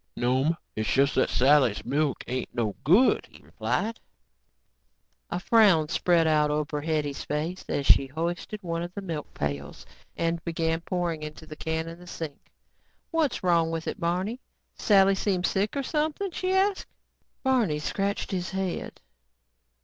"No'm, it's just that Sally's milk ain't no good," he replied. A frown spread over Hetty's face as she hoisted one of the milk pails and began pouring into the can in the sink. "What's wrong with it, Barney? Sally seem sick or something?" she asked. Barney scratched his head.